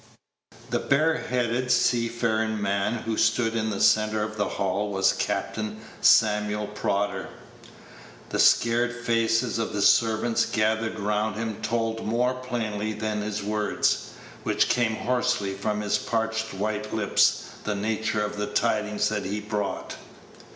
The bareheaded seafaring man who stood in the centre of the hall was Captain Samuel Prodder. The scared faces of the servants gathered round him told more plainly than his words, which came hoarsely from his parched white lips, the nature of the tidings that he brought.